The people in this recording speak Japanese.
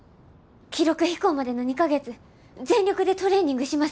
記録飛行までの２か月全力でトレーニングします。